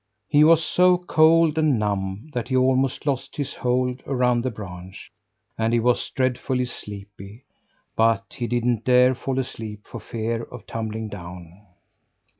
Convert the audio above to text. He was so cold and numb that he almost lost his hold around the branch; and he was dreadfully sleepy; but he didn't dare fall asleep for fear of tumbling down.